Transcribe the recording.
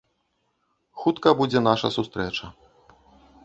Хутка будзе наша сустрэча.